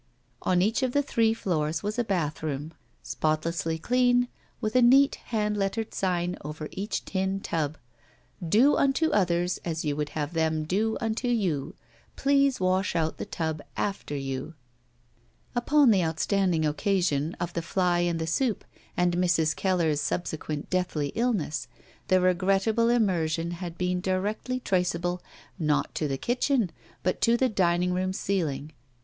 On each of the three floors was a bathroom, spot 183 GUILTY lessly dean, with a neat hand lettered sign over each tin tub: Do Unto Others as You Would Have Them Do Unto You PiXASS Wash Out the Tub Aftee You Upon the outstanding occasion of the fly in the soup and Mr. Keller's subsequent deathly illness, the r^;rettable immersion had been directly trace able, not to the kitchen, but to the dining room ceiling.